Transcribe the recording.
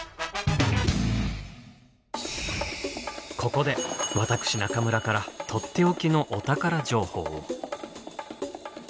ここで私中村からとっておきのお宝情報を。